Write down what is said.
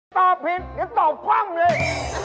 ตอบผิดเดี๋ยวตอบคว่ำเลย